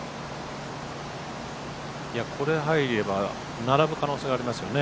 いや、これ入れば並ぶ可能性がありますよね。